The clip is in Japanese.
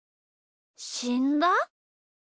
しんだ？